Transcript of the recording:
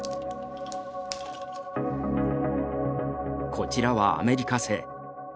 こちらはアメリカ製。